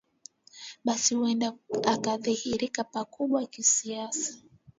basi huenda akaadhirika pakubwa kisiasa